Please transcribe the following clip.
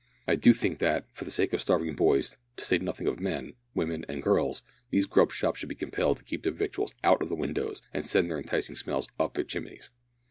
I do think that, for the sake of starving boys, to say nothing of men, women, and girls, these grub shops should be compelled to keep the victuals out o' the windows and send their enticing smells up their chimneys!"